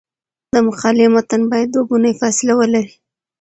د مقالې متن باید دوه ګونی فاصله ولري.